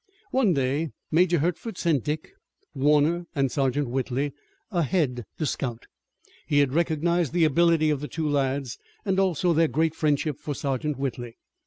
One day Major Hertford sent Dick, Warner, and Sergeant Whitley, ahead to scout. He had recognized the ability of the two lads, and also their great friendship for Sergeant Whitley.